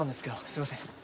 すいません。